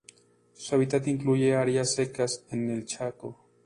Su hábitat incluye áreas secas en el Chaco.